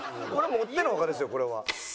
もっての外ですよこれは。